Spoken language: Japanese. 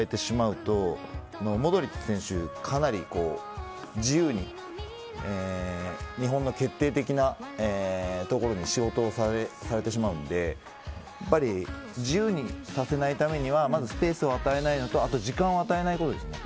どうしてもスペースを与えてしまうとモドリッチ選手、かなり自由に日本の決定的なところに仕事をされてしまうのでやはり自由にさせないためにはまずスペースを与えないのとあと、時間を与えないことです。